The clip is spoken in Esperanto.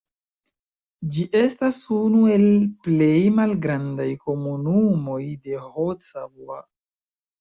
Ĝi estas unu el plej malgrandaj komunumoj de Haute-Savoie.